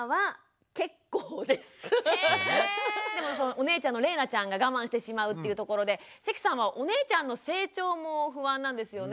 お姉ちゃんのれいなちゃんが我慢してしまうっていうところで関さんはお姉ちゃんの成長も不安なんですよね？